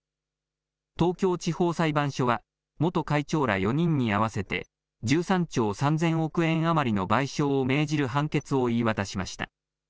東京地方裁判所は、元会長ら４人に合わせて１３兆３０００億円余りの賠償を命じる判決を言い渡しました。